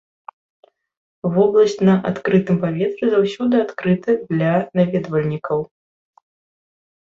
Вобласць на адкрытым паветры заўсёды адкрыта для наведвальнікаў.